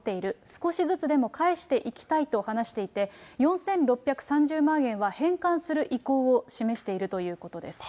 少しずつでも返していきたいと話していて、４６３０万円を返還する意向を示しているということです。